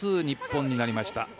日本になりました。